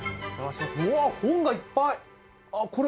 うわっ、本がいっぱい。